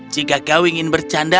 jika kau ingin bercanda